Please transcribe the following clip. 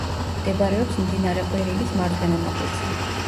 მდებარეობს მდინარე ყვირილის მარჯვენა ნაპირზე.